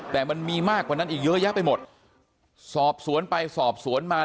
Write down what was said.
แต่มันมีมากกว่านั้นอีกเยอะแยะไปหมดสอบสวนไปสอบสวนมา